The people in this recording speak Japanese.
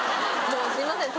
もうすいません